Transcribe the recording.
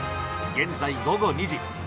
現在午後２時。